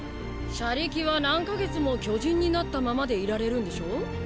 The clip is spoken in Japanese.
車力は何か月も巨人になったままでいられるんでしょ？